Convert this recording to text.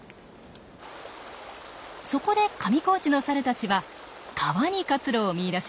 そこで上高地のサルたちは川に活路を見いだしました。